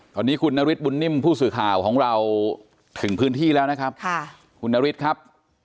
ตอนนี้คุณนฤทธบุญนิ่มผู้สื่อข่าวของเราถึงพื้นที่แล้วนะครับคุณนฤทธิ์ครับ